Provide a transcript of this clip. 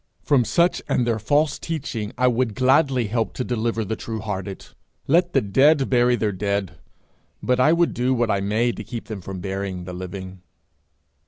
From such and their false teaching I would gladly help to deliver the true hearted. Let the dead bury their dead, but I would do what I may to keep them from burying the living.